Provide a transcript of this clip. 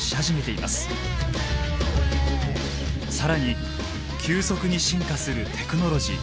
更に急速に進化するテクノロジー。